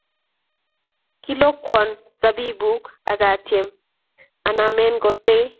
kilokwon zabibuk ak atyem anamen kotee